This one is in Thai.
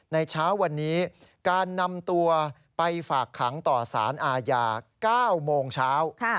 เช้าวันนี้การนำตัวไปฝากขังต่อสารอาญา๙โมงเช้า